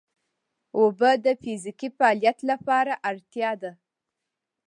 اوبه د فزیکي فعالیت لپاره اړتیا ده